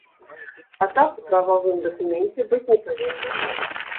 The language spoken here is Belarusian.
А так у прававым дакуменце быць не павінна.